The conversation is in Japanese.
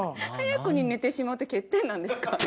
早くに寝てしまうって欠点なんですか？